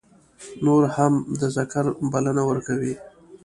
نور هم د ذکر بلنه ورکوي.